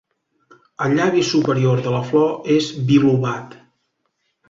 El llavi superior de la flor és bilobat.